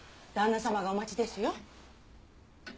旦那様がお待ちですよ。